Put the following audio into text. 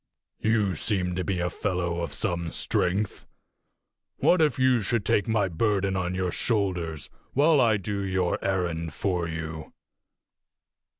You seem to be a fellow of some strength. What if you should take my burden on your shoulders while I do your errand for you?"